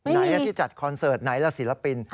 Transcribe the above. ไหนที่จัดคอนเสิร์ตไหนล่ะศิลปิน